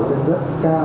đến rất cao